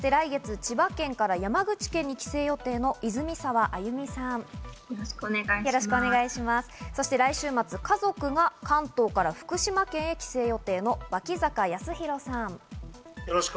来月、千葉県から山口県に帰省予定の泉澤歩さん、そして来週末、家族が関東から福島県へ帰省する予定の脇坂斉弘さん。